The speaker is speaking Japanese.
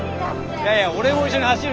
いやいや俺も一緒に走るから。